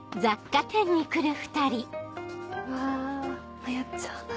わ迷っちゃうな。